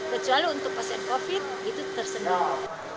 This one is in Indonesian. kecuali untuk pasien covid itu tersendat